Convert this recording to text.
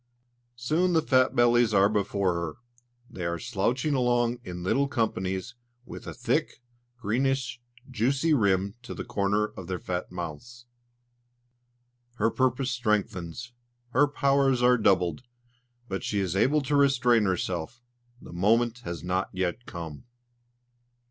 Soon the fat bellies are before her; they are slouching along in little companies, with a thick, greenish, juicy rim to the corners of their fat mouths. Her purpose strengthens, her powers are doubled, but she is able to restrain herself: the moment has not yet come.